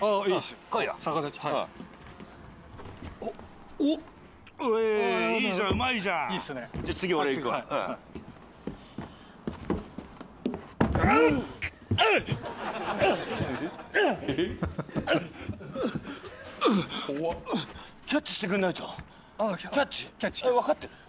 はいイエーイいいじゃんうまいじゃんいいっすねじゃ次俺いくわはいうわっあっあっあっあっキャッチしてくんないとキャッチああわかってる？